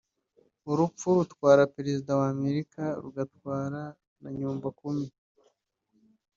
urupfu rutwara Perezida wa Amerika rugatwara na Nyumbakumi